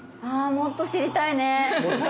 もっと知りたいですね。